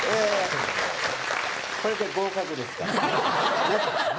これで合格ですから。